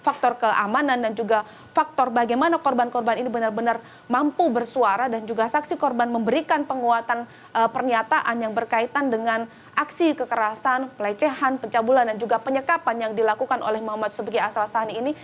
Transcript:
faktor keamanan dan juga faktor bagaimana korban korban ini benar benar mampu bersuara dan juga saksi korban memberikan penguatan pernyataan yang berkaitan dengan aksi kekerasan pelecehan pencabulan dan juga penyekapan yang dilakukan oleh muhammad sebagai asal sani ini